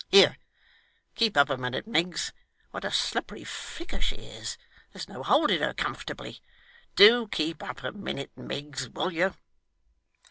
Here. Keep up a minute, Miggs. What a slippery figure she is! There's no holding her, comfortably. Do keep up a minute, Miggs, will you?